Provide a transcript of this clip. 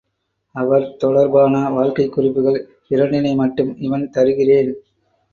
அவர் தொடர் பான வாழ்க்கைக் குறிப்புகள் இரண்டினை மட்டும் இவண் தருகிறேன்.